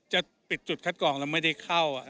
จะปิดจุดคัดกรองแล้วไม่ได้เข้า